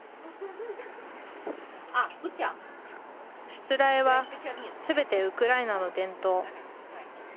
しつらえは全てウクライナの伝統。